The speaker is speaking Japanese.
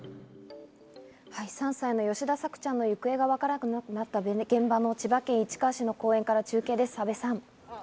３歳の吉田朔ちゃんの行方がわからなくなった現場の千葉県市川市の公園から中継です、阿部さん。